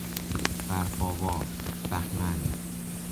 برف آوار، بهمن